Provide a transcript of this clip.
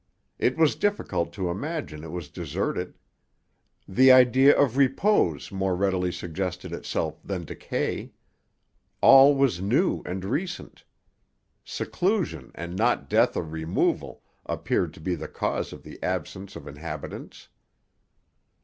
It was difficult to imagine it was deserted. The idea of repose more readily suggested itself than decay. All was new and recent. Seclusion, and not death or removal, appeared to be the cause of the absence of inhabitants.'